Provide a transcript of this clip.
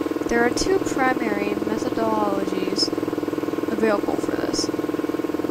There are two primary methodologies available for this.